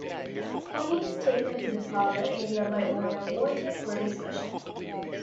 Connie is taken to the parlor area by owner Walter for a discussion.